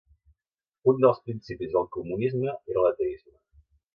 Un els principis del comunisme era l'ateisme.